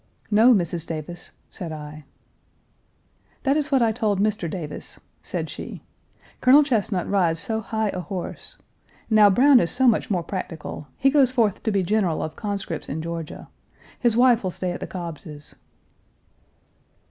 "No, Mrs. Davis," said I. "That is what I told Mr. Davis," said she. "Colonel Chesnut rides so high a horse. Now Browne is so much more practical. He goes forth to be general of conscripts in Georgia. His wife will stay at the Cobbs's."